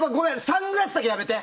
サングラスだけやめて！